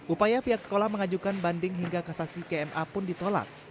upaya pihak sekolah mengajukan banding hingga kasasi kma pun ditolak